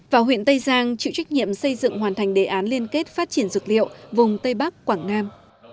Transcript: và huyện tây giang chịu trách nhiệm xây dựng hoàn thành đề án liên kết phát triển dược liệu vùng tây bắc quảng nam